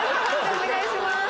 お願いします。